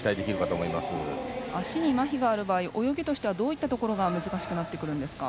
実況にまひがある場合泳ぎとしてはどういったところが難しくなってくるんですか。